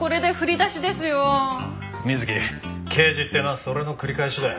水木刑事ってのはそれの繰り返しだ。